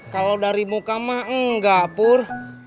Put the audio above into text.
kalau dari muka mah enggak pur